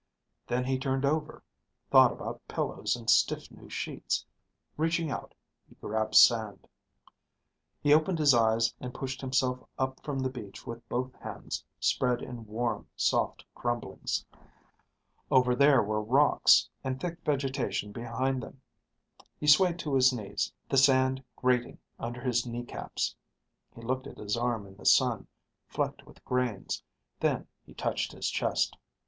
Then he turned over, thought about pillows and stiff new sheets. Reaching out, he grabbed sand. He opened his eyes and pushed himself up from the beach with both hands spread in warm, soft crumblings. Over there were rocks, and thick vegetation behind them. He swayed to his knees, the sand grating under his kneecaps. He looked at his arm in the sun, flecked with grains. Then he touched his chest.